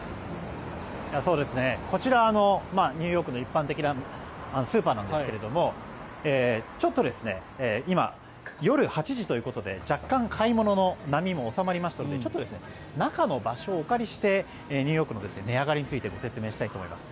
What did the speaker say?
こちら、ニューヨークの一般的なスーパーなんですがちょっと今、夜８時ということで若干、買い物の波も収まりましたので中の場所をお借りしてニューヨークの値上がりについてご説明したいと思います。